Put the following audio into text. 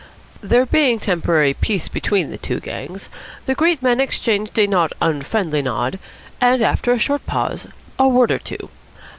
There being temporary peace between the two gangs, the great men exchanged a not unfriendly nod and, after a short pause, a word or two.